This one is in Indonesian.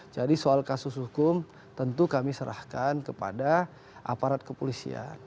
jadi soal kasus hukum tentu kami serahkan kepada aparat kepolisian